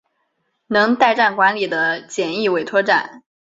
能代站管理的简易委托站。